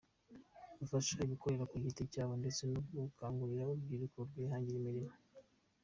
Gufasha abikorera ku giti cyabo ndetse no gukangurira urubyiruko kwihangira imirimo.